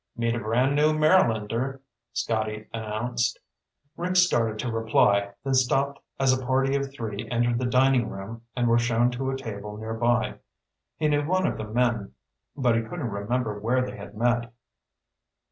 "Meet a brand new Marylander," Scotty announced. Rick started to reply, then stopped as a party of three entered the dining room and were shown to a table nearby. He knew one of the men, but he couldn't remember where they had met.